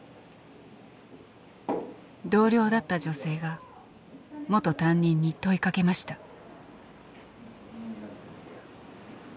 同僚だった女性が元担任に問いかけました。